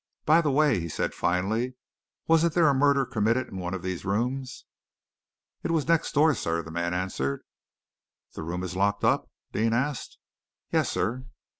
"By the way," he said finally, "wasn't there a murder committed in one of these rooms?" "It was next door, sir," the man answered. "The room is locked up?" Deane asked. "Yes, sir!"